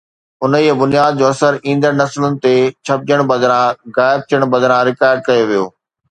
انهيءَ بنياد جو اثر ايندڙ نسلن تي ڇپجڻ بدران غائب ٿيڻ بدران رڪارڊ ڪيو ويو.